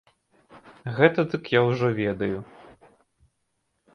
Гэта дык я ўжо ведаю.